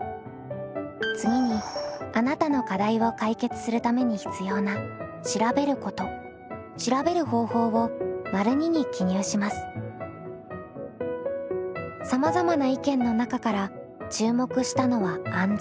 次にあなたの課題を解決するために必要なさまざまな意見の中から注目したのは「安全」。